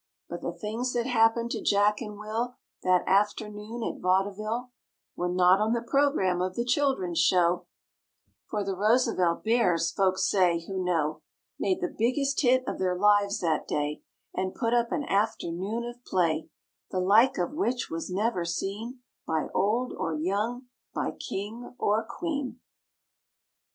A But the things that happened to Jack and Will That afternoon at vaudeville Were not on the program of the children's show; For the Roosevelt Bears, folks say who know, Made the biggest hit of their lives that day And put up an afternoon of play The like of which was never seen By old or young, by king or queen.